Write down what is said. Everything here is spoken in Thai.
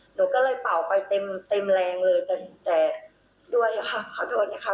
หนูก็เลยเป่าไปเต็มแรงเลยแต่ด้วยขอโทษค่ะ